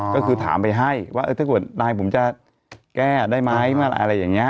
ก็คือถามไปให้ว่าถ้าเกิดนายผมจะแก้ได้ไหมอะไรอย่างนี้